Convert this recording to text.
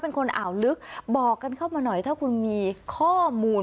อ่าวลึกบอกกันเข้ามาหน่อยถ้าคุณมีข้อมูล